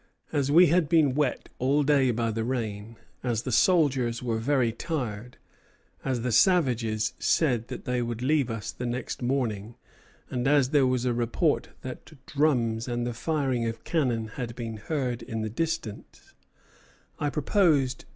"As we had been wet all day by the rain, as the soldiers were very tired, as the savages said that they would leave us the next morning, and as there was a report that drums and the firing of cannon had been heard in the distance, I proposed to M.